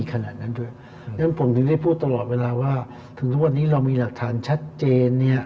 เพราะฉะนั้นผมถึงได้พูดตลอดเวลาว่าถึงทุกวันนี้เรามีหลักฐานชัดเจนเนี่ย